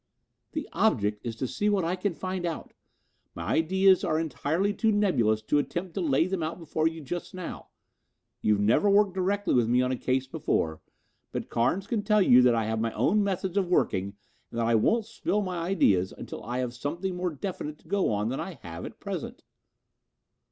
"The object is to see what I can find out. My ideas are entirely too nebulous to attempt to lay them out before you just now. You've never worked directly with me on a case before, but Carnes can tell you that I have my own methods of working and that I won't spill my ideas until I have something more definite to go on than I have at present."